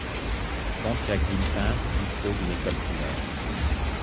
Pontiacq-Viellepinte dispose d'une école primaire.